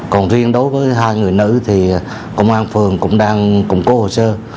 còn riêng đối với hai người nữ thì công an phường cũng đang củng cố hồ sơ